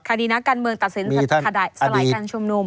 คดีนักการเมืองตัดสินสลายการชุมนุม